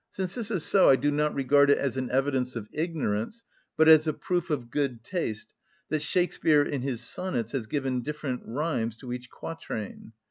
Since this is so, I do not regard it as an evidence of ignorance, but as a proof of good taste, that Shakspeare in his sonnets has given different rhymes to each quatraine.